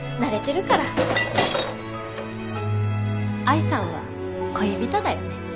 愛さんは恋人だよね？